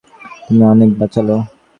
তুমি অনেক বাচাল।